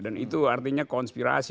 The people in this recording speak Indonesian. dan itu artinya konspirasi